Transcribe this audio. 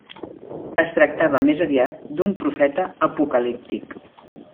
Es tractava, més aviat, d'un profeta apocalíptic.